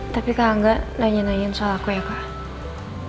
tapi kalau gak nanya nanyain soal aku ya kak